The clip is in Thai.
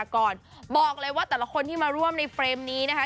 ก่อนบอกเลยว่าแต่ละคนที่มาร่วมในเฟรมนี้นะคะ